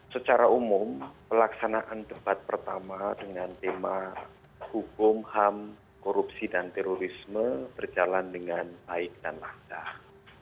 secara umum pelaksanaan debat pertama dengan tema hukum ham korupsi dan terorisme berjalan dengan baik dan lancar